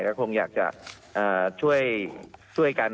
ก็คงอยากจะช่วยกัน